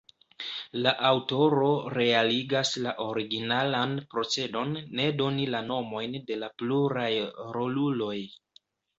La aŭtoro realigas la originalan procedon ne doni la nomojn de la pluraj roluloj.